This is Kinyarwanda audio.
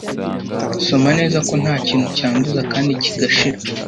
soma neza ko ntakintu cyanduza kandi kigashira